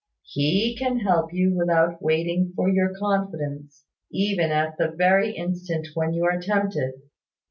He can help you without waiting for your confidence, even at the very instant when you are tempted.